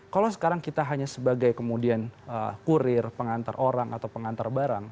kalau sekarang kita hanya sebagai kemudian kurir pengantar orang atau pengantar barang